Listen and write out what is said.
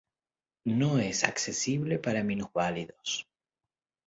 No es accesible para minusválidos.